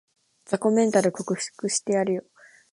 雑魚メンタル克服してやるよ